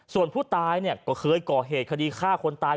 ส่วนผู้ตายเนี่ยก็เคยก่อเหตุคดีฆ่าคนตาย